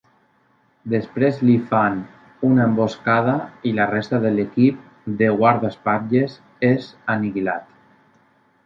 Després li fan una emboscada i la resta de l'equip de guardaespatlles és aniquilat.